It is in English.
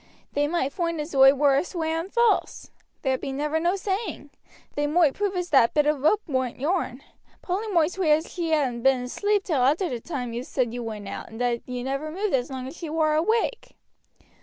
They might foind as oi war a swearing false. There be never no saying. They moight prove as that bit of rope warn't yourn. Polly moight swear as she hadn't been asleep till arter the time you said you went out, and that you never moved as long as she war awake.